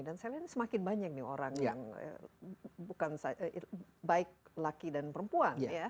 dan saya melihat semakin banyak orang yang baik laki dan perempuan